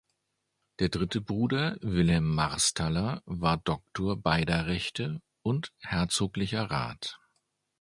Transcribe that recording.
Der dritte Bruder, Wilhelm Marstaller, war Doktor beider Rechte und herzoglicher Rat.